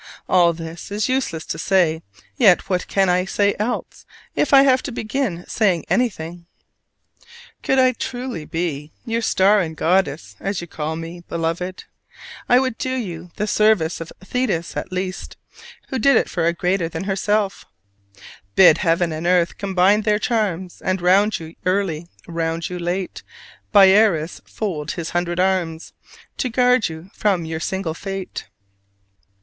All this is useless to say, yet what can I say else, if I have to begin saying anything? Could I truly be your "star and goddess," as you call me, Beloved, I would do you the service of Thetis at least (who did it for a greater than herself) "Bid Heaven and Earth combine their charms, And round you early, round you late, Briareus fold his hundred arms To guard you from your single fate."